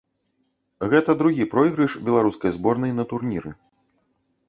Гэта другі пройгрыш беларускай зборнай на турніры.